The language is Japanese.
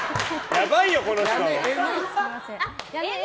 やばいよ、この人。